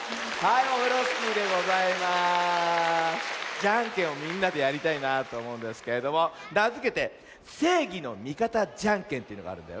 ジャンケンをみんなでやりたいなぁとおもうんですけれどもなづけて「せいぎのみかたジャンケン」というのがあるんだよ。